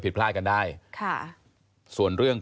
ได้ค่ะส่วนเรื่อง